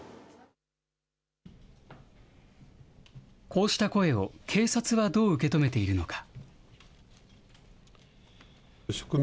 こうした声を、警察はどう受け止めているのか。